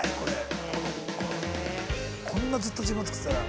こんなずっと自分を作ってたら。